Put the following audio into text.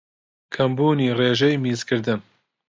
کەمبوونی رێژەی میزکردن